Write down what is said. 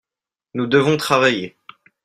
Nous devons travailler.